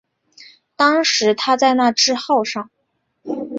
当时他在那智号上。